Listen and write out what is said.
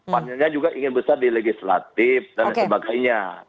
pan itu juga ingin besar di legislatif dan sebagainya